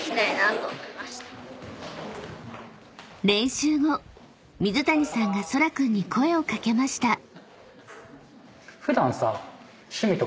［練習後水谷さんがそら君に声を掛けました］